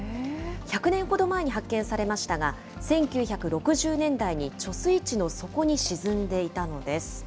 １００年ほど前に発見されましたが、１９６０年代に貯水池の底に沈んでいたのです。